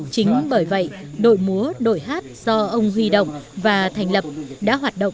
chính bởi vậy đội múa đội hát do ông huy động và thành lập đã hoạt động